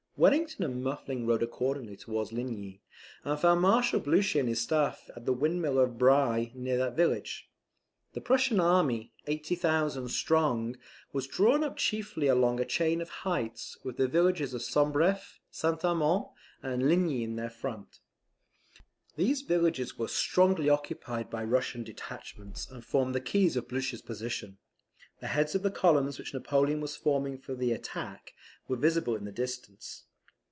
Wellington and Muffling rode accordingly towards Ligny, and found Marshal Blucher and his staff at the windmill of Bry, near that village. The Prussian army, 80,000 strong, was drawn up chiefly along a chain of heights, with the villages of Sombref, St. Amand, and Ligny in their front. These villages were strongly occupied by Prussian detachments, and formed the keys of Blucher's position. The heads of the columns which Napoleon was forming for the attack, were visible in the distance.